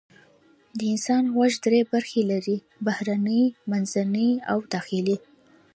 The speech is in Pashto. د انسان غوږ درې برخې لري: بهرنی، منځنی او داخلي.